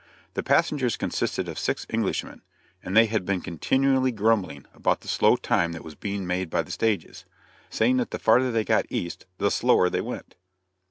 The passengers consisted of six Englishmen, and they had been continually grumbling about the slow time that was being made by the stages, saying that the farther they got East the slower they went.